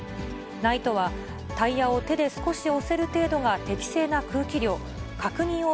ＮＩＴＥは、タイヤを手で少し押せる程度が適正な空気量、確認を